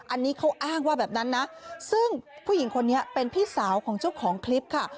อันนี้เขาอ้างว่าแบบนั้นนะซึ่งผู้หญิงคนนี้เป็นพี่สาวของเจ้าของคลิปค่ะ